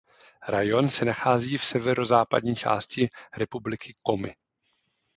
Rajón se nachází v severozápadní části republiky Komi.